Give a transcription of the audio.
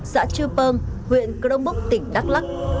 xã chư pơng huyện cơ đông bốc tỉnh đắk lắc